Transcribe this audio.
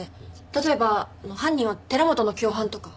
例えば犯人は寺本の共犯とか。